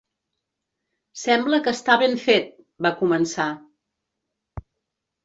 "Sembla que està ben fet", va començar.